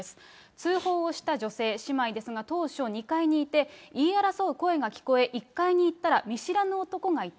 通報をした女性、姉妹ですが、当初、２階にいて、言い争う声が聞こえ、１階に行ったら、見知らぬ男がいた。